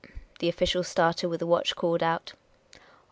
" the official starter with the watch called out.